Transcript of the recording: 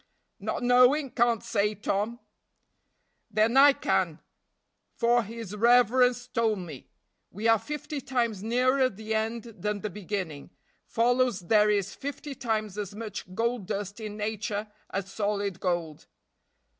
"Not knowing, can't say, Tom." "Then I can, for his reverence told me. We are fifty times nearer the end than the beginning, follows there is fifty times as much gold dust in nature as solid gold."